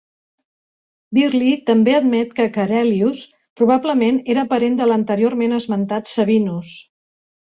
Birley també admet que Caerellius probablement era parent de l'anteriorment esmentat Sabinus.